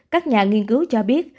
các nhà nghiên cứu cho biết